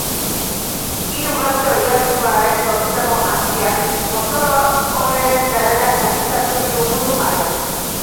Hiru gazte oiartzuarrek sortutako jantziak mozorro onenen zerrendak konkistatu ditu mundu mailan.